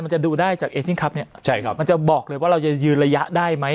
จะดูได้จากเอทีนคลับเนี้ยใช่ครับมันจะบอกเลยว่าเราจะยืนระยะได้ไหม